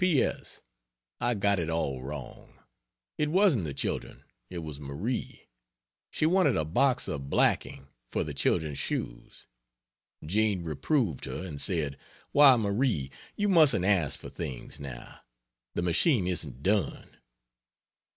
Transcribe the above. C. P. S. I got it all wrong. It wasn't the children, it was Marie. She wanted a box of blacking, for the children's shoes. Jean reproved her and said: "Why, Marie, you mustn't ask for things now. The machine isn't done."